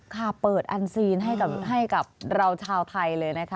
ค่ะเปิดอันซีนให้กับเราชาวไทยเลยนะคะ